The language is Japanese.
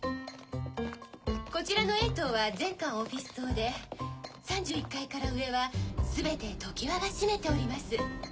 こちらのＡ塔は全館オフィス棟で３１階から上は全てＴＯＫＩＷＡが占めております。